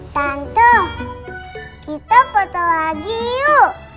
tante kita foto lagi yuk